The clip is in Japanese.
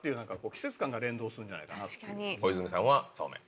小泉さんはそうめん。